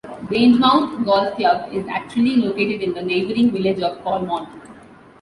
Grangemouth Golf Club is actually located in the neighbouring village of Polmont.